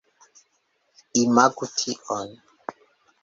Imagu tion